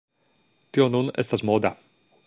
Tio nun estas moda.